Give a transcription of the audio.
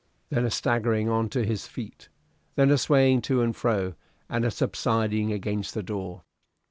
Then a staggering on to his feet. Then a swaying to and fro, and a subsiding against the door.